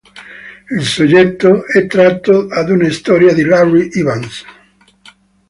Il soggetto è tratto da una storia di Larry Evans.